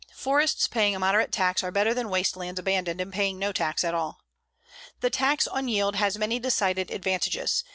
Forests paying a moderate tax are better than waste lands abandoned and paying no tax at all. The tax on yield has many decided advantages.